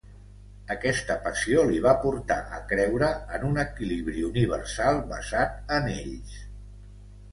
Aquesta passió li va portar a creure en un equilibri universal basat en ells.